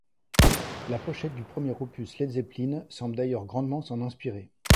La pochette du premier opus Led Zeppelin semble d'ailleurs grandement s'en inspirer.